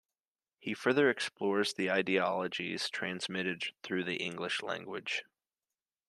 He further explores the ideologies transmitted through the English language.